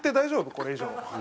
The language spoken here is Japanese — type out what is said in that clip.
これ以上。